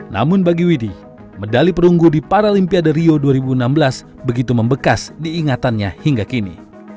namun bagi widhi medali perunggu di paralimpiade rio dua ribu enam belas begitu membekas diingatannya hingga kini